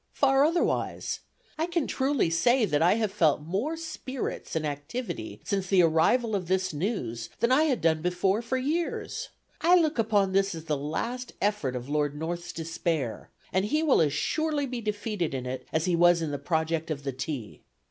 Far otherwise. I can truly say that I have felt more spirits and activity since the arrival of this news than I had done before for years. I look upon this as the last effort of Lord North's despair, and he will as surely be defeated in it, as he was in the project of the tea.